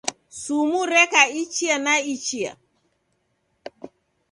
Sumu reka ichia na ichia.